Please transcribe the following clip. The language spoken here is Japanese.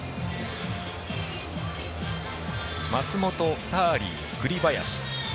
松本、ターリー、栗林。